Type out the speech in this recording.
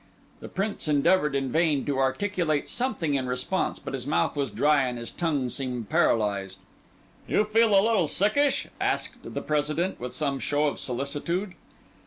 The Prince endeavoured in vain to articulate something in response, but his mouth was dry and his tongue seemed paralysed. "You feel a little sickish?" asked the President, with some show of solicitude.